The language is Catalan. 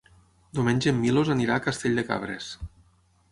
Diumenge en Milos anirà a Castell de Cabres.